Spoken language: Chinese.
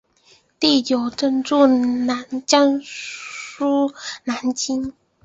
第九镇驻江苏南京。